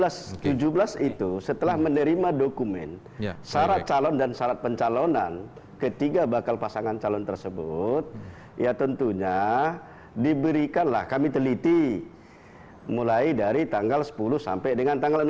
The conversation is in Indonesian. nah itu setelah menerima dokumen syarat calon dan syarat pencalonan ketiga bakal pasangan calon tersebut ya tentunya diberikanlah kami teliti mulai dari tanggal sepuluh sampai dengan tanggal enam belas